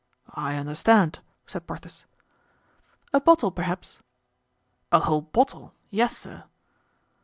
"I understand," said Porthos. "A bottle, perhaps?" "A whole bottle? Yes, sir."